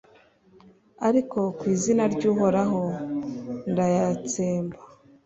ariko ku izina ry’Uhoraho ndayatsemba